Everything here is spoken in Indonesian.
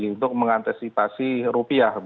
untuk mengantesitasi rupiah